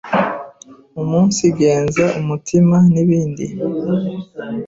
umunsigenza umutima, n’ibindi